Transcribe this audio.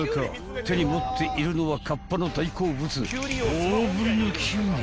［手に持っているのは河童の大好物大ぶりのキュウリか？］